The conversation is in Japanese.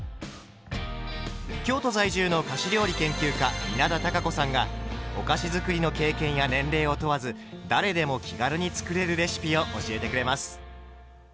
京都在住の菓子料理研究家稲田多佳子さんがお菓子づくりの経験や年齢を問わず誰でも気軽に作れるレシピを教えてくれます。